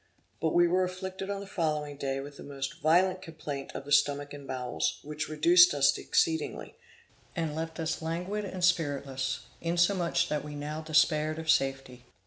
But we were afflicted on the following day with the most violent complaint of the stomach and bowels, which reduced us exceedingly, and left us languid and spiritless, insomuch that we now despaired of safety.